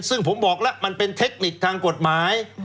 ซึ่งผมบอกแล้วมันเป็นเทคนิคทางกฎหมาย